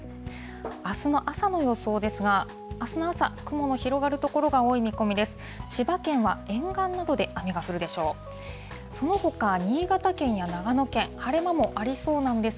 あすの朝の予想ですが、あすの朝、雲の広がる所が多い見込みです。